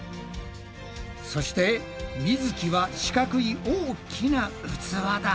そしてみづきは四角い大きな器だ。